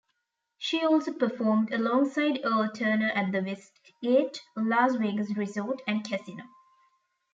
She also performed alongside Earl Turner at the Westgate Las Vegas Resort and Casino.